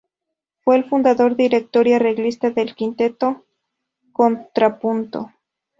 Fue el fundador, director y arreglista del Quinteto Contrapunto.